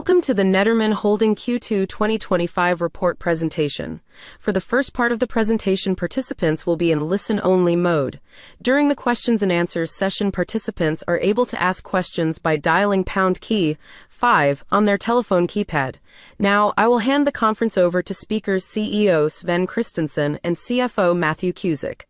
Welcome to the Nederman Holding Q2 2025 report presentation. For the first part of the presentation, participants will be in listen-only mode. During the questions-and-answers session, participants are able to ask questions by dialing the pound key 5 on their telephone keypad. Now, I will hand the conference over to speakers CEO Sven Kristensson and CFO Matthew Cusick.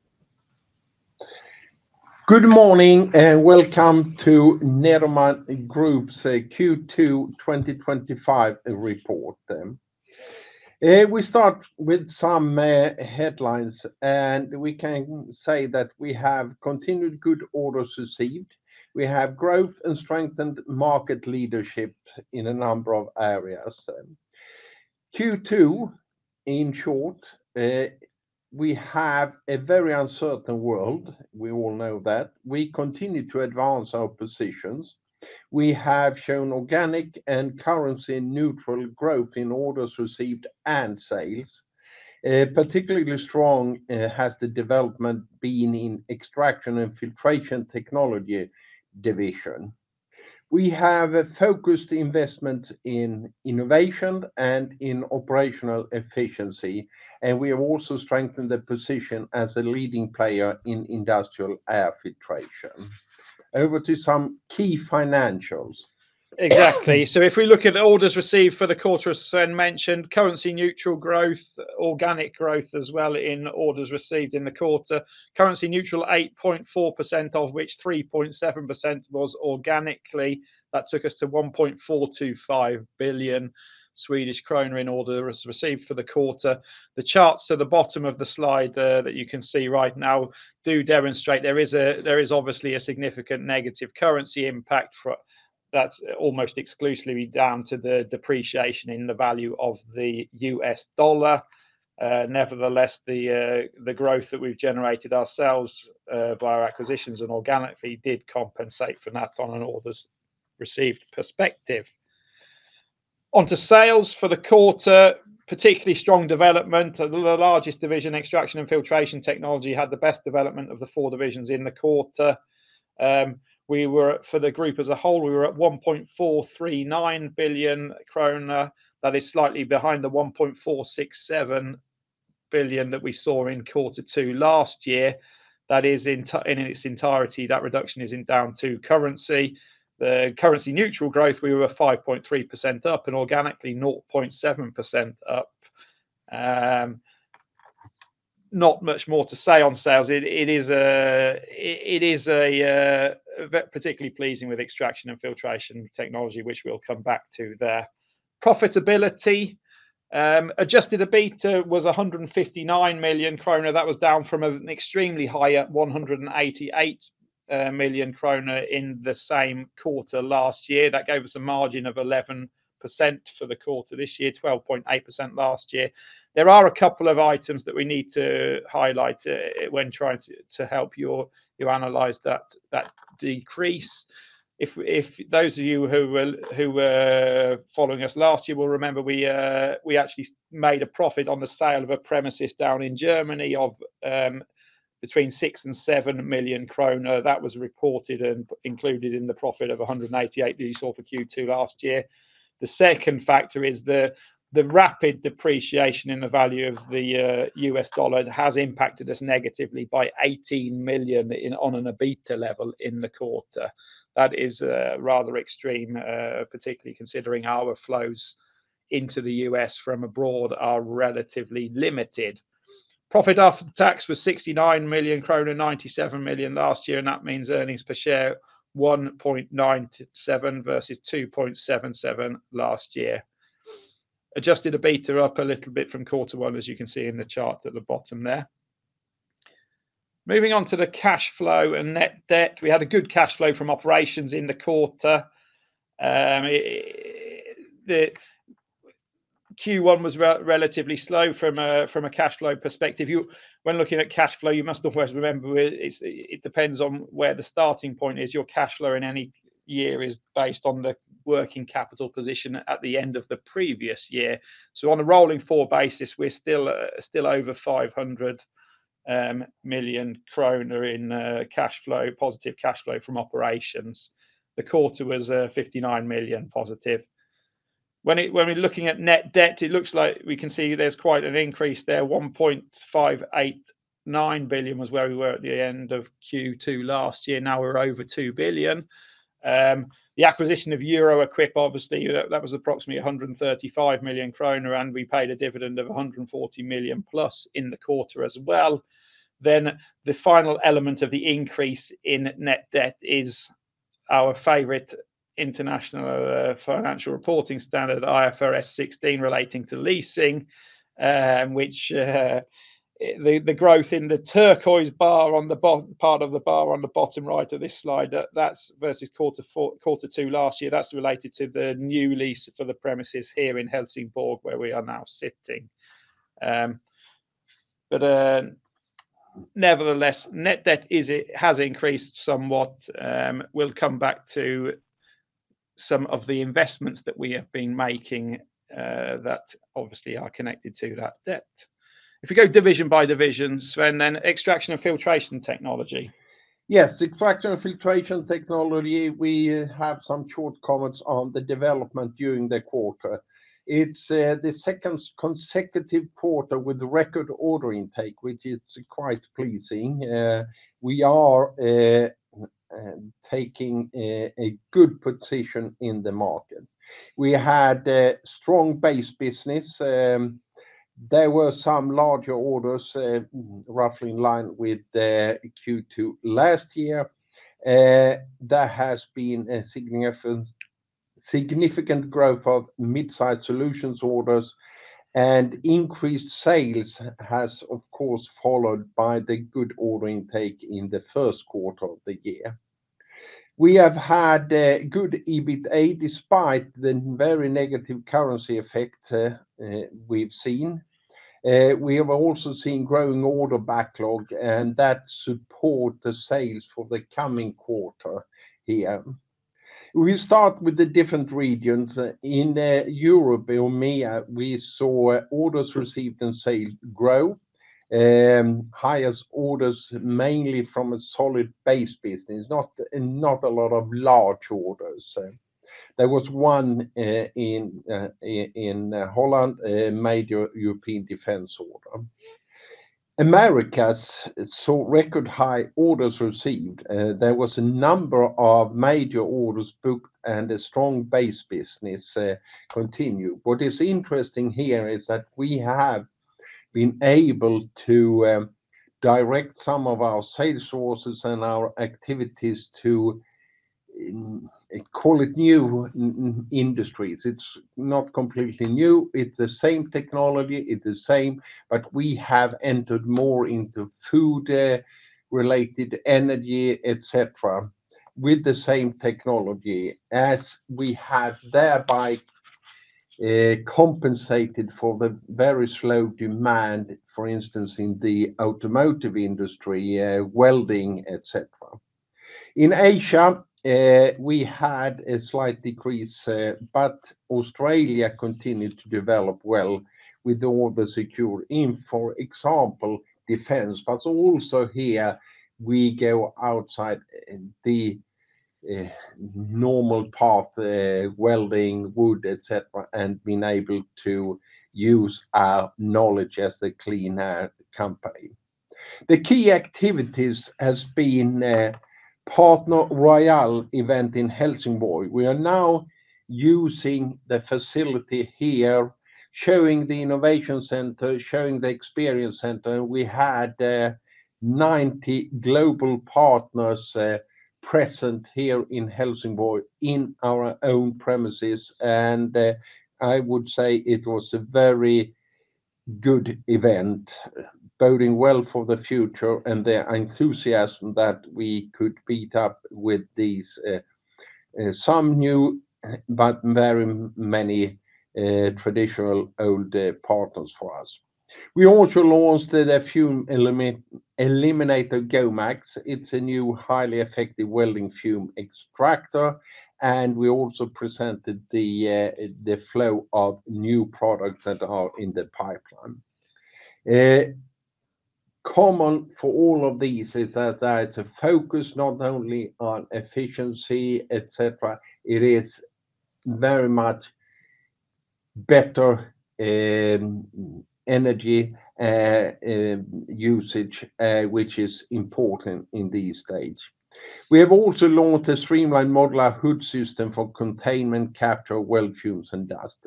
Good morning and welcome to Nederman Group's Q2 2025 report. We start with some headlines, and we can say that we have continued good orders received. We have growth and strengthened market leadership in a number of areas. Q2, in short, we have a very uncertain world. We all know that. We continue to advance our positions. We have shown organic and currency-neutral growth in orders received and sales. Particularly strong has the development been in Extraction and Filtration Technology division. We have focused investments in innovation and in operational efficiency, and we have also strengthened the position as a leading player in industrial air filtration. Over to some key financials. Exactly. If we look at orders received for the quarter, as Sven mentioned, currency-neutral growth, organic growth as well in orders received in the quarter, currency-neutral 8.4% of which 3.7% was organically. That took us to 1.425 billion Swedish kronor in orders received for the quarter. The charts at the bottom of the slide that you can see right now do demonstrate there is obviously a significant negative currency impact, for that's almost exclusively down to the depreciation in the value of the U.S. dollar. Nevertheless, the growth that we've generated ourselves by our acquisitions and organically did compensate for that on an orders received perspective. Onto sales for the quarter, particularly strong development. The largest division, extraction and filtration technology, had the best development of the four divisions in the quarter. For the group as a whole, we were at 1.439 billion krona. That is slightly behind the 1.467 billion that we saw in quarter two last year. That is in its entirety, that reduction isn't down to currency. The currency-neutral growth, we were 5.3% up and organically 0.7% up. Not much more to say on sales. It is particularly pleasing with extraction and filtration technology, which we'll come back to there. Profitability, adjusted EBITDA was 159 million kronor. That was down from an extremely high 188 million kronor in the same quarter last year. That gave us a margin of 11% for the quarter this year, 12.8% last year. There are a couple of items that we need to highlight when trying to help you analyze that decrease. If those of you who were following us last year will remember, we actually made a profit on the sale of a premises down in Germany of between 6 million and 7 million kronor. That was reported and included in the profit of 188 million that you saw for Q2 last year. The second factor is the rapid depreciation in the value of the U.S. dollar has impacted us negatively by 18 million on an EBITDA level in the quarter. That is rather extreme, particularly considering our flows into the U.S. from abroad are relatively limited. Profit after tax was 69 million kronor, 97 million last year, and that means earnings per share 1.97 versus 2.77 last year. Adjusted EBITDA up a little bit from quarter one, as you can see in the chart at the bottom there. Moving on to the cash flow and net debt, we had a good cash flow from operations in the quarter. Q1 was relatively slow from a cash flow perspective. When looking at cash flow, you must always remember it depends on where the starting point is. Your cash flow in any year is based on the working capital position at the end of the previous year. On a rolling four basis, we're still over 500 million kronor in cash flow, positive cash flow from operations. The quarter was 59 million+. When we're looking at net debt, it looks like we can see there's quite an increase there. 1.589 billion was where we were at the end of Q2 last year. Now we're over 2 billion. The acquisition of Euro-Equip, obviously, that was approximately 135 million kronor, and we paid a dividend of 140 million+ in the quarter as well. The final element of the increase in net debt is our favorite International Financial Reporting Standard, IFRS 16, relating to leasing, which the growth in the turquoise bar on the bottom part of the bar on the bottom right of this slide, that's versus Q2 last year, that's related to the new lease for the premises here in Helsingborg where we are now sitting. Nevertheless, net debt has increased somewhat. We'll come back to some of the investments that we have been making that obviously are connected to that debt. If we go division by division, Sven, then extraction and filtration technology. Yes, extraction and filtration technology, we have some short comments on the development during the quarter. It's the second consecutive quarter with record order intake, which is quite pleasing. We are taking a good position in the market. We had a strong base business. There were some larger orders roughly in line with the Q2 last year. There has been a significant growth of mid-size solutions orders, and increased sales has, of course, followed by the good order intake in the first quarter of the year. We have had a good EBITDA despite the very negative currency effect we've seen. We have also seen growing order backlog, and that supports the sales for the coming quarter here. We start with the different regions. In Europe, we saw orders received and sales growth, highest orders mainly from a solid base business, not a lot of large orders. There was one in Holland, a major European defense order. Americas saw record high orders received. There was a number of major orders booked and a strong base business continued. What is interesting here is that we have been able to direct some of our sales sources and our activities to call it new industries. It's not completely new. It's the same technology. It's the same, but we have entered more into food-related energy, etc., with the same technology as we have thereby compensated for the very slow demand, for instance, in the automotive industry, welding, etc. In Asia, we had a slight decrease, but Australia continued to develop well with all the secure, for example, defense. Also here, we go outside the normal path, welding, wood, etc., and being able to use our knowledge as a cleaner company. The key activities have been the partner royale event in Helsingborg. We are now using the facility here, showing the innovation center, showing the experience center, and we had 90 global partners present here in Helsingborg in our own premises. I would say it was a very good event, boding well for the future and the enthusiasm that we could beat up with these, some new but very many traditional old partners for us. We also launched the Fume Eliminator Gomax. It's a new highly effective welding fume extractor, and we also presented the flow of new products that are in the pipeline. Common for all of these is that there is a focus not only on efficiency, etc. It is very much better energy usage, which is important in this stage. We have also launched a streamlined modular hood system for containment, capture, weld fumes, and dust.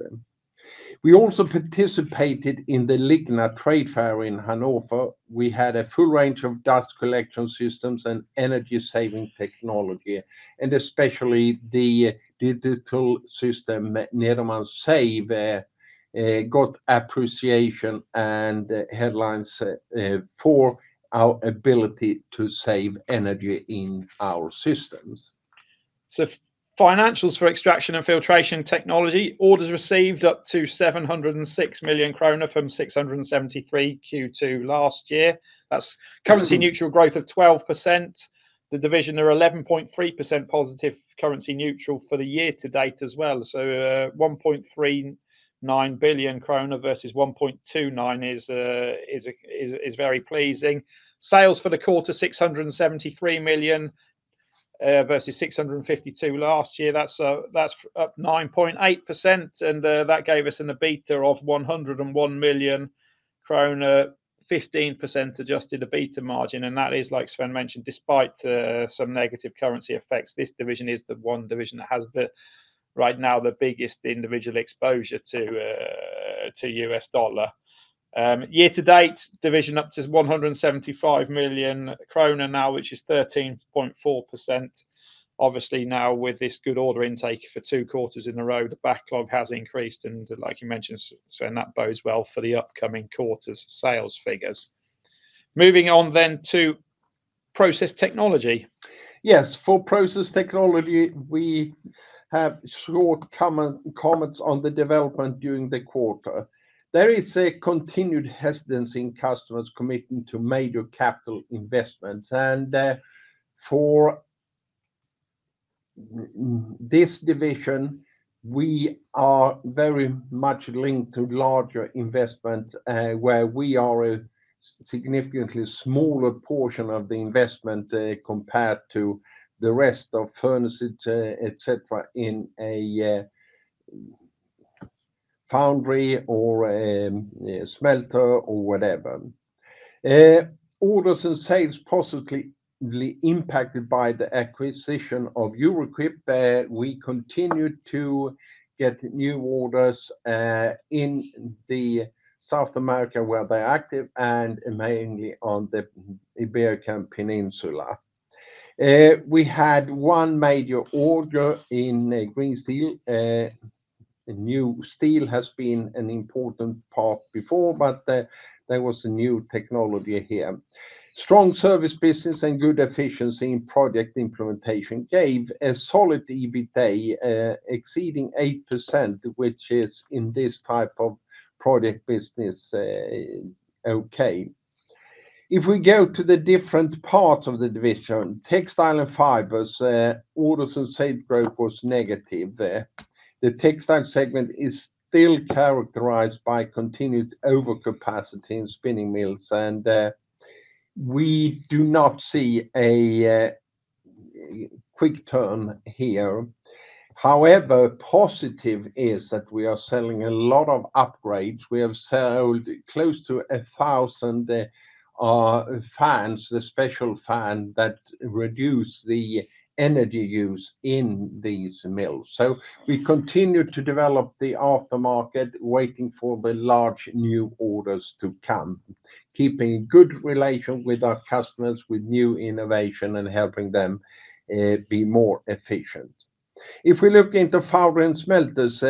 We also participated in the Lignar trade fair in Hannover. We had a full range of dust collection systems and energy-saving technology, and especially the digital system, Nederman Save, got appreciation and headlines for our ability to save energy in our systems. Financials for extraction and filtration technology, orders received up to 706 million kronor from 673 million Q2 last year. That's currency-neutral growth of 12%. The division is 11.3% positive currency-neutral for the year to date as well. 1.39 billion krona versus 1.29 billion is very pleasing. Sales for the quarter, 673 million versus 652 million last year. That's up 9.8%, and that gave us an EBITDA of 101 million krona, 15% adjusted EBITDA margin. That is, like Sven mentioned, despite some negative currency effects, this division is the one division that has right now the biggest individual exposure to the U.S. dollar. Year to date, division up to 175 million kronor now, which is 13.4%. Obviously, now with this good order intake for two quarters in a row, the backlog has increased. Like you mentioned, Sven, that bodes well for the upcoming quarter's sales figures. Moving on then to process technology. Yes, for process technology, we have short comments on the development during the quarter. There is a continued hesitancy in customers committing to major capital investments. For this division, we are very much linked to larger investments where we are a significantly smaller portion of the investment compared to the rest of furnaces, etc., in a foundry or a smelter or whatever. Orders and sales were positively impacted by the acquisition of Euro-Equip We continue to get new orders in South America where they're active and mainly on the Iberian Peninsula. We had one major order in green steel. New steel has been an important part before, but there was a new technology here. Strong service business and good efficiency in project implementation gave a solid EBITDA exceeding 8%, which is in this type of project business okay. If we go to the different parts of the division, textile and fibers, orders and sales growth was negative. The textile segment is still characterized by continued overcapacity in spinning mills, and we do not see a quick turn here. However, positive is that we are selling a lot of upgrades. We have sold close to 1,000 fans, the special fan that reduces the energy use in these mills. We continue to develop the aftermarket, waiting for the large new orders to come, keeping good relation with our customers with new innovation and helping them be more efficient. If we look into foundry and smelters,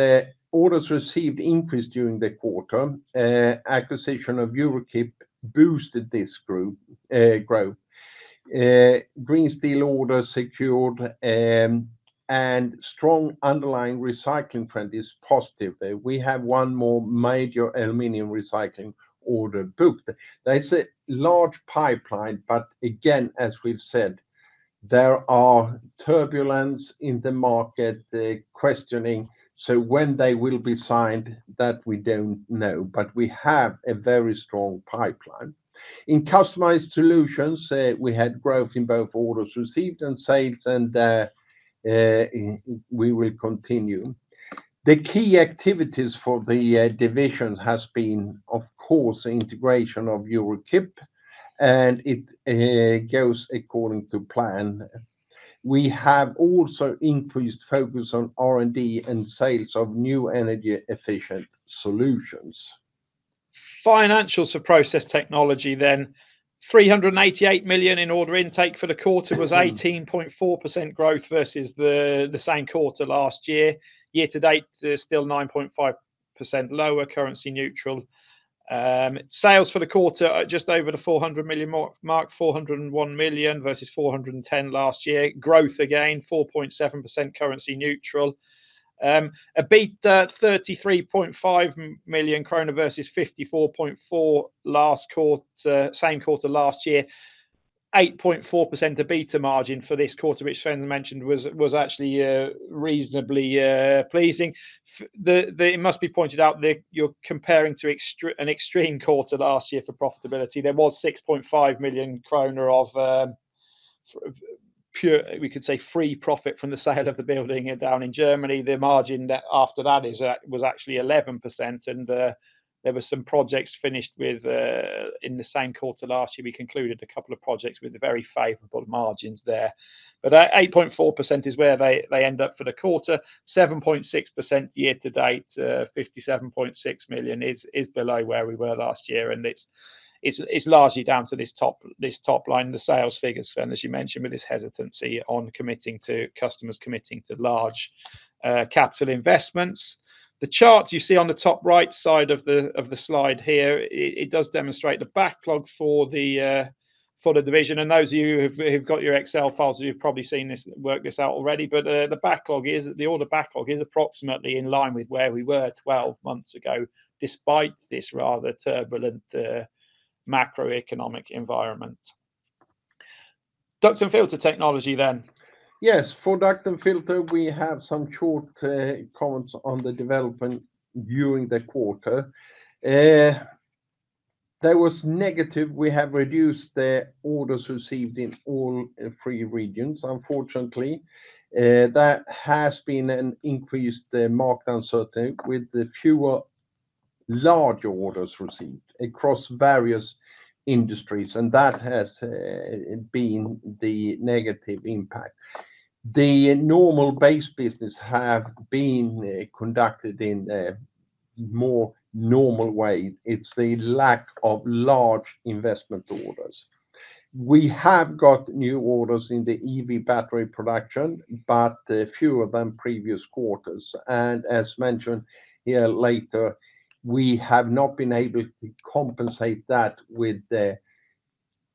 orders received increased during the quarter. Acquisition of Euro-Equip boosted this group growth. Green steel orders secured and strong underlying recycling trend is positive. We have one more major aluminum recycling order booked. That's a large pipeline, but again, as we've said, there is turbulence in the market questioning when they will be signed. That we don't know, but we have a very strong pipeline. In customized solutions, we had growth in both orders received and sales, and we will continue. The key activities for the division have been, of course, the integration of Euro-Equip, and it goes according to plan. We have also increased focus on R&D and sales of new energy-efficient solutions. Financials for process technology then, 388 million in order intake for the quarter was 18.4% growth versus the same quarter last year. Year to date, still 9.5% lower, currency neutral. Sales for the quarter are just over the 400 million mark, 401 million versus 410 million last year. Growth again, 4.7% currency neutral. EBITDA 33.5 million krona versus 54.4 million same quarter last year. 8.4% EBITDA margin for this quarter, which Sven mentioned was actually reasonably pleasing. It must be pointed out that you're comparing to an extreme quarter last year for profitability. There was 6.5 million kronor of pure, we could say, free profit from the sale of the building down in Germany. The margin after that was actually 11%, and there were some projects finished in the same quarter last year. We concluded a couple of projects with very favorable margins there. 8.4% is where they end up for the quarter. 7.6% year to date, 57.6 million is below where we were last year, and it's largely down to this top line, the sales figures, as you mentioned, with this hesitancy on customers committing to large capital investments. The chart you see on the top right side of the slide here, it does demonstrate the backlog for the division. Those of you who've got your Excel files, you've probably seen this, worked this out already. The backlog is, the order backlog is approximately in line with where we were 12 months ago, despite this rather turbulent macroeconomic environment. Duct and filter technology then. Yes, for duct and filter, we have some short comments on the development during the quarter. That was negative. We have reduced the orders received in all three regions. Unfortunately, that has been an increased market uncertainty with the fewer large orders received across various industries, and that has been the negative impact. The normal base business has been conducted in a more normal way. It's the lack of large investment orders. We have got new orders in the EV battery production, but fewer than previous quarters. As mentioned here later, we have not been able to compensate that with the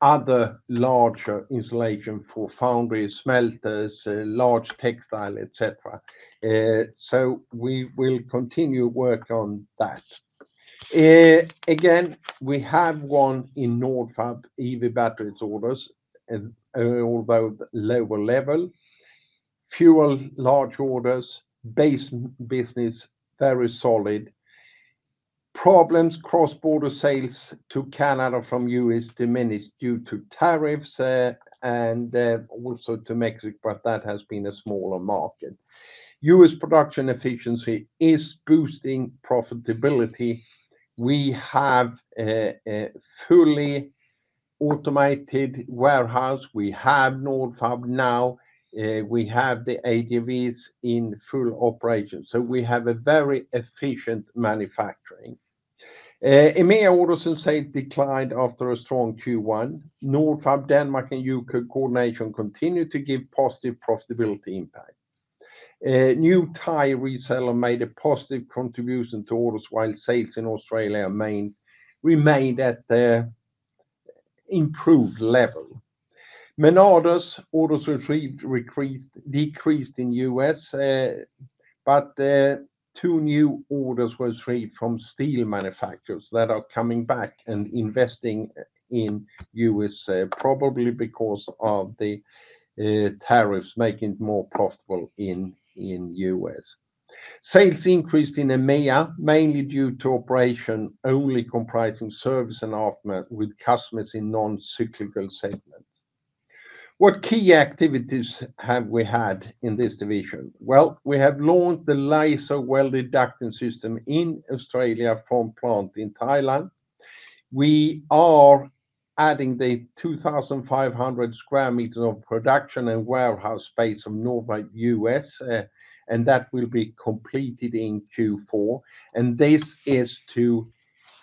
other larger installation for foundries, smelters, large textile, etc. We will continue work on that. We have one in Nordfab EV batteries orders, although lower level. Fewer large orders, base business very solid. Problems, cross-border sales to Canada from U.S. diminished due to tariffs and also to Mexico, but that has been a smaller market. U.S. production efficiency is boosting profitability. We have a fully automated warehouse. We have Nordfab now. We have the ADVs in full operation. We have a very efficient manufacturing. EMEA orders and sales declined after a strong Q1. Nordfab, Denmark, and UK coordination continue to give positive profitability impact. New Thai reseller made a positive contribution to orders while sales in Australia remained at the improved level. Menardes, orders received, decreased in the U.S., but two new orders were received from steel manufacturers that are coming back and investing in the U.S., probably because of the tariffs making it more profitable in the U.S. Sales increased in EMEA, mainly due to operation only comprising service and aftermarket with customers in non-cyclical segments. What key activities have we had in this division? We have launched the Lysol welded ducting system in Australia from a plant in Thailand. We are adding the 2,500 square meters of production and warehouse space of Nordfab U.S., and that will be completed in Q4. This is to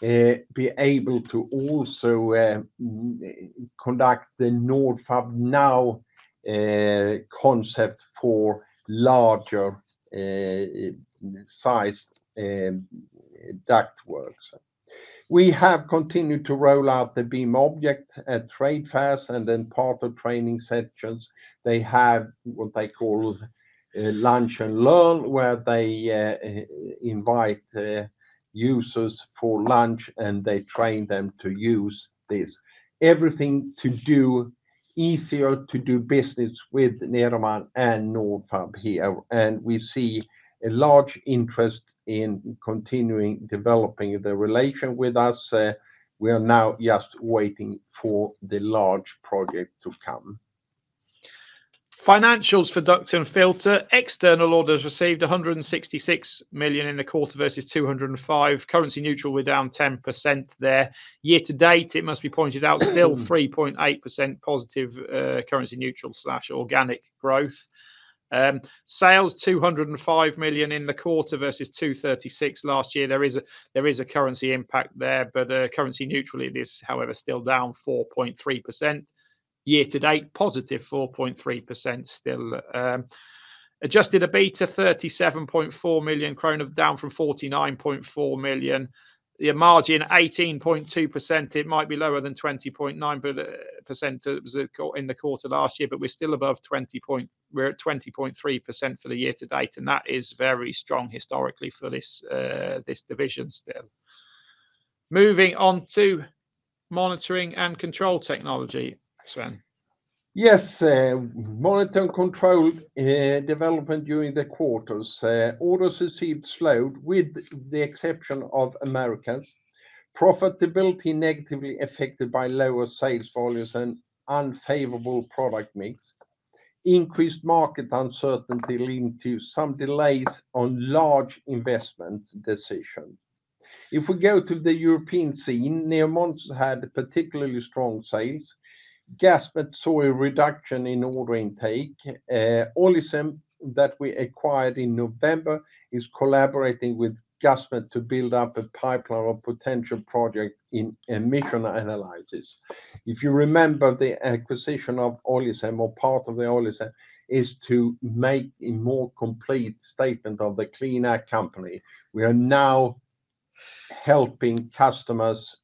be able to also conduct the Nordfab now concept for larger sized ductworks. We have continued to roll out the BIM object at trade fairs and partner training sessions. They have what they call lunch and learn, where they invite users for lunch and they train them to use this. Everything to do, easier to do business with Nederman and Nordfab here. We see a large interest in continuing developing the relation with us. We are now just waiting for the large project to come. Financials for duct and filter technology, external orders received 166 million in the quarter versus 205 million. Currency neutral, we're down 10% there. Year to date, it must be pointed out, still +3.8% currency neutral/organic growth. Sales 205 million in the quarter versus 236 million last year. There is a currency impact there, but currency neutral, it is however still down 4.3%. Year to date, +4.3% still. Adjusted EBITDA 37.4 million krona, down from 49.4 million. The margin 18.2%, it might be lower than 20.9% in the quarter last year, but we're still above 20.3% for the year to date. That is very strong historically for this division still. Moving on to monitoring and control technology, Sven. Yes, monitoring and control development during the quarters. Orders received slowed with the exception of Americas. Profitability negatively affected by lower sales volumes and unfavorable product mix. Increased market uncertainty linked to some delays on large investment decisions. If we go to the European scene, Neil Martin had particularly strong sales. Gasmet saw a reduction in order intake. Olicem, that we acquired in November, is collaborating with Gasmet to build up a pipeline of potential projects in emission analysis. If you remember, the acquisition of Olicem or part of the Olicem is to make a more complete statement of the clean air company. We are now helping customers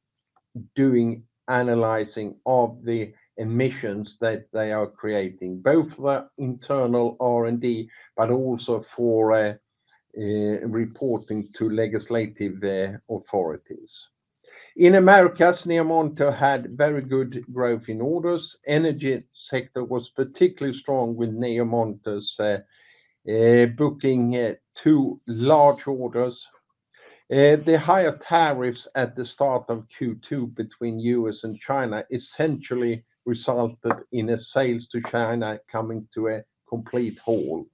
doing analyzing of the emissions that they are creating, both for the internal R&D, but also for reporting to legislative authorities. In Americas, Neil Martin had very good growth in orders. Energy sector was particularly strong with Neil Martin booking two large orders. The higher tariffs at the start of Q2 between U.S. and China essentially resulted in sales to China coming to a complete halt.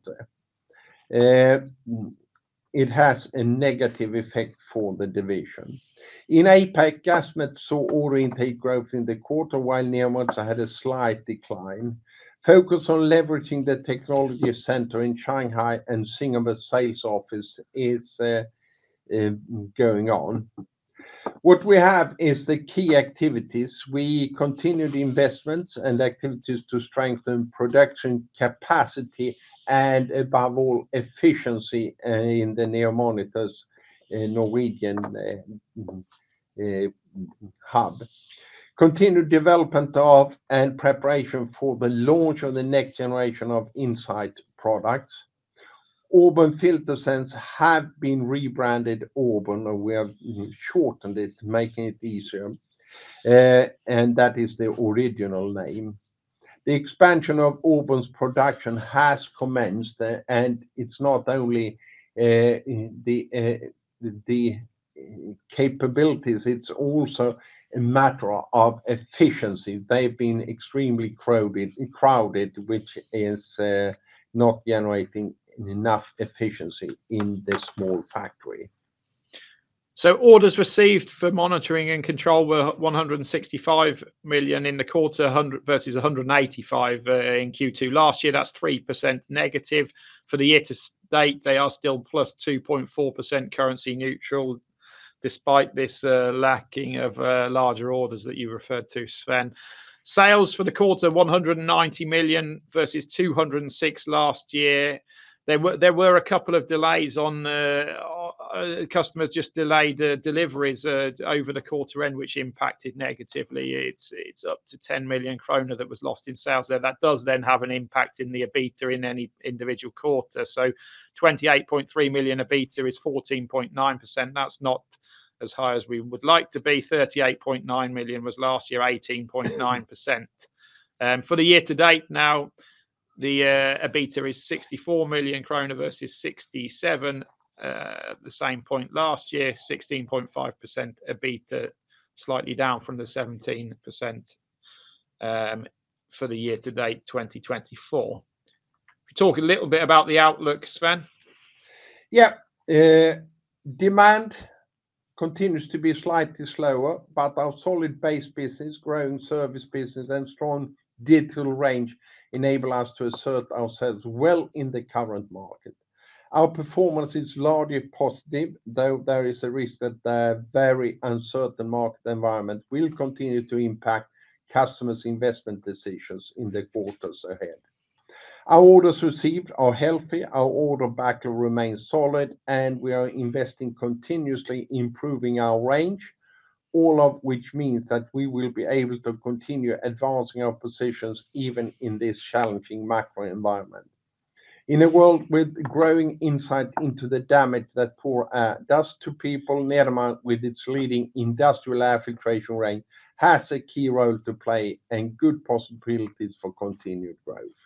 It has a negative effect for the division. In APAC, Gasmet saw order intake growth in the quarter while Neil Martin had a slight decline. Focus on leveraging the technology center in Shanghai and Singapore sales office is going on. What we have is the key activities. We continued investments and activities to strengthen production capacity and above all, efficiency in Neil Martin's Norwegian hub. Continued development of and preparation for the launch of the next generation of Insight products. Orben, formerly Filter Sense, has been rebranded Orben, and we have shortened it, making it easier. That is the original name. The expansion of Orben's production has commenced, and it's not only the capabilities, it's also a matter of efficiency. They've been extremely crowded, which is not generating enough efficiency in the small factory. Orders received for monitoring and control were 165 million in the quarter, versus 185 million in Q2 last year. That's 3% negative. For the year to date, they are still +2.4% currency neutral, despite this lacking of larger orders that you referred to, Sven. Sales for the quarter, 190 million versus 206 million last year. There were a couple of delays on customers just delayed deliveries over the quarter end, which impacted negatively. It's up to 10 million kronor that was lost in sales there. That does then have an impact in the EBITDA in any individual quarter. EBITDA is 28.3 million, 14.9%. That's not as high as we would like to be. 38.9 million was last year, 18.9%. For the year to date now, the EBITDA is 64 million kronor versus 67 million. The same point last year, 16.5% EBITDA, slightly down from the 17% for the year to date, 2024. We talk a little bit about the outlook, Sven. Demand continues to be slightly slower, but our solid base business, growing service business, and strong digital range enable us to assert ourselves well in the current market. Our performance is largely positive, though there is a risk that the very uncertain market environment will continue to impact customers' investment decisions in the quarters ahead. Our orders received are healthy. Our order backlog remains solid, and we are investing continuously, improving our range, all of which means that we will be able to continue advancing our positions even in this challenging macro environment. In a world with growing insight into the damage that poor air does to people, Nederman, with its leading industrial air filtration range, has a key role to play and good possibilities for continued growth.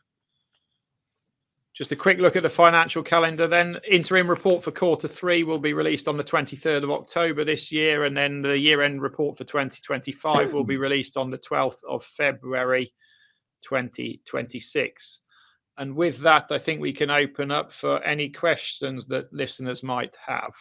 Just a quick look at the financial calendar then. Interim report for quarter three will be released on the 23rd of October this year, and the year-end report for 2025 will be released on the 12th of February 2026. With that, I think we can open up for any questions that listeners might have.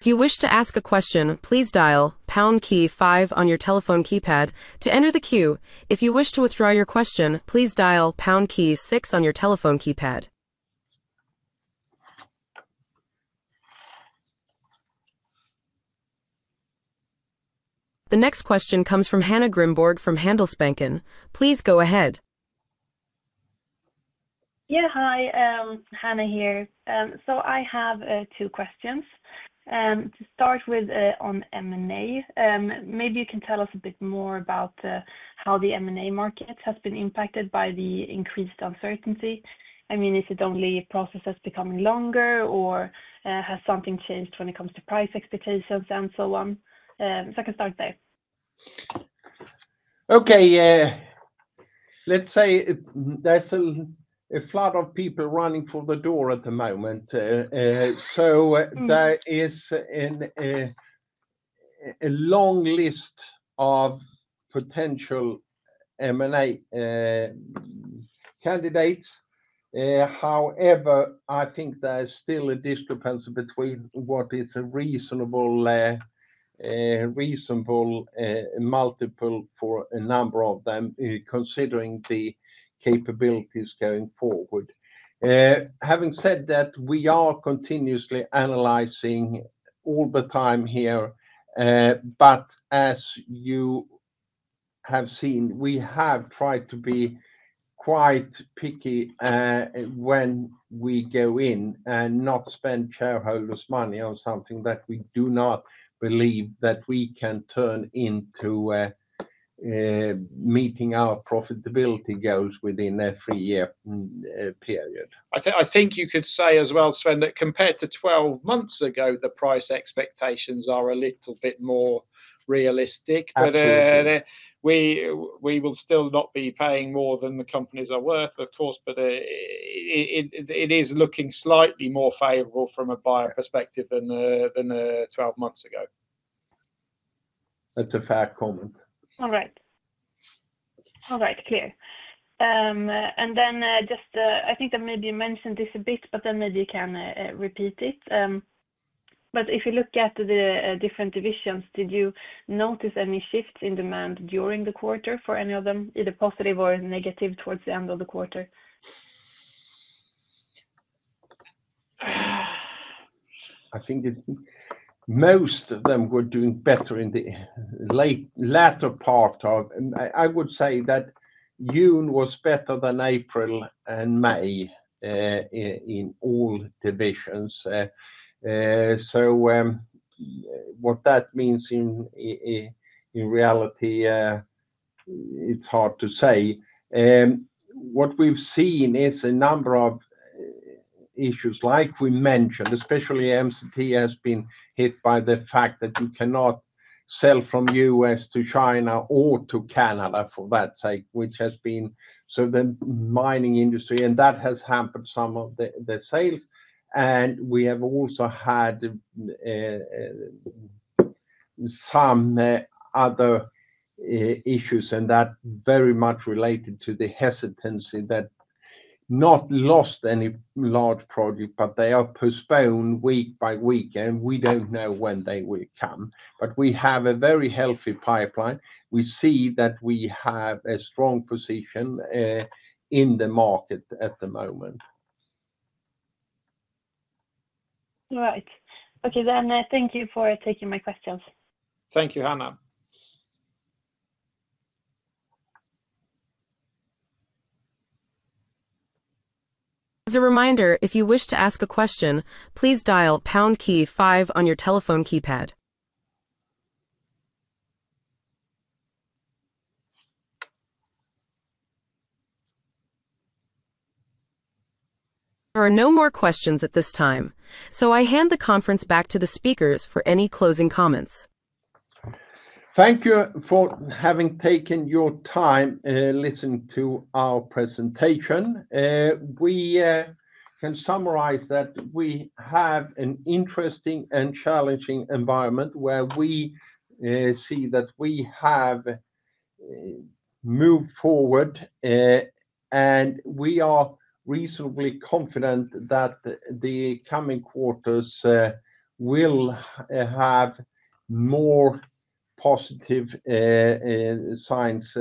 If you wish to ask a question, please dial pound key five on your telephone keypad to enter the queue. If you wish to withdraw your question, please dial pound key six on your telephone keypad. The next question comes from Hanna Grimborg from Handelsbanken. Please go ahead. Hi, Hanna here. I have two questions. To start with on M&A, maybe you can tell us a bit more about how the M&A market has been impacted by the increased uncertainty. I mean, is it only processes becoming longer or has something changed when it comes to price expectations and so on? I can start there. Let's say there's a flood of people running for the door at the moment. There is a long list of potential M&A candidates. However, I think there is still a discrepancy between what is a reasonable multiple for a number of them, considering the capabilities going forward. Having said that, we are continuously analyzing all the time here. As you have seen, we have tried to be quite picky when we go in and not spend shareholders' money on something that we do not believe that we can turn into meeting our profitability goals within a three-year period. I think you could say as well, Sven, that compared to 12 months ago, the price expectations are a little bit more realistic. We will still not be paying more than the companies are worth, of course, but it is looking slightly more favorable from a buyer perspective than 12 months ago. That's a fair comment. All right. I think that maybe you mentioned this a bit, but maybe you can repeat it. If you look at the different divisions, did you notice any shifts in demand during the quarter for any of them, either positive or negative towards the end of the quarter? I think most of them were doing better in the latter part of, I would say that June was better than April and May in all divisions. What that means in reality, it's hard to say. What we've seen is a number of issues, like we mentioned, especially MCT has been hit by the fact that you cannot sell from the U.S. to China or to Canada for that sake, which has been sort of the mining industry. That has hampered some of the sales. We have also had some other issues, and that's very much related to the hesitancy that not lost any large project, but they are postponed week by week, and we don't know when they will come. We have a very healthy pipeline. We see that we have a strong position in the market at the moment. All right. Okay, thank you for taking my questions. Thank you, Hannah. As a reminder, if you wish to ask a question, please dial the pound key five on your telephone keypad. There are no more questions at this time. I hand the conference back to the speakers for any closing comments. Thank you for having taken your time listening to our presentation. We can summarize that we have an interesting and challenging environment where we see that we have moved forward, and we are reasonably confident that the coming quarters will have more positive signs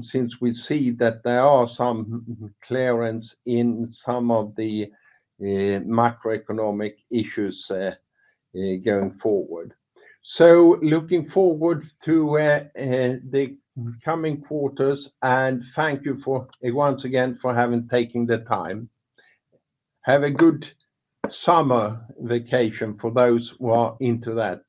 since we see that there are some clearance in some of the macroeconomic issues going forward. Looking forward to the coming quarters, and thank you once again for having taken the time. Have a good summer vacation for those who are into that.